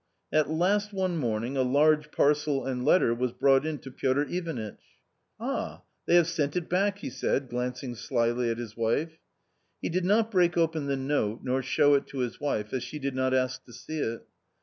At last one morning a large parcel and letter was brought in to Piotr Ivanitch. " Ah ! they have sent it back !" he said, glancing slyly at his wife. He did not break open the note nor show it to his wife, as she did not ask to see it.